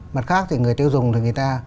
mặt khác thì người tiêu dùng thì người ta